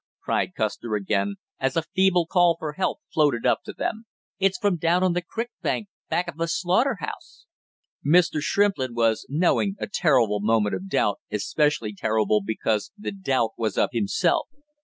cried Custer again, as a feeble call for help floated up to them. "It's from down on the crick bank back of the slaughter house!" Mr. Shrimplin was knowing a terrible moment of doubt, especially terrible because the doubt was of himself.